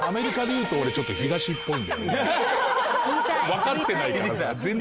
わかってないから全然。